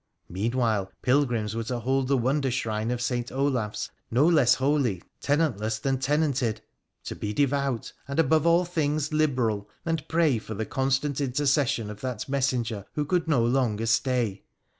Meanwhile pilgrims were to hold the wonder shrine of St. Olaf's no less holy tenantless than tenanted, to be devout, and above all things liberal, and pray for the constant intercession of that Messenger who could no longer stay.